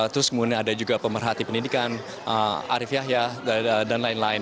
terus kemudian ada juga pemerhati pendidikan arief yahya dan lain lain